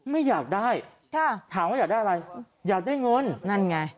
ไม่อยากได้ค่ะถามว่าอยากได้อะไรอยากได้เงินนั่นไง